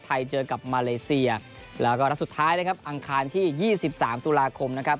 ไทยเจอกับมาเลเซียแล้วก็รัฐสุดท้ายนะครับอังคารที่๒๓ตุลาคมนะครับ